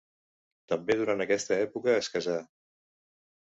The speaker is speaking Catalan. També durant aquesta època es casà.